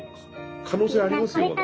可能性ありますよまだ。